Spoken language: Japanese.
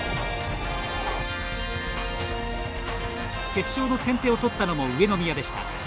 決勝の先手を取ったのも上宮でした。